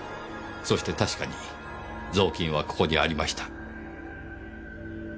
そして確かに雑巾はここにありました。